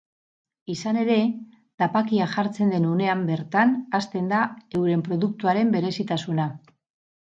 Izan ere, tapakia jartzen den unean bertan hasten da euren produktuaren berezitasuna.